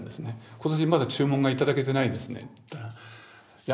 今年まだ注文が頂けてないですねって言ったらいや